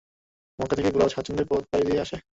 মক্কা থেকেই ঘোড়া স্বাচ্ছন্দে পথ পাড়ি দিয়ে আসে।